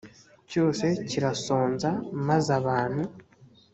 cyose kirasonza maze abantu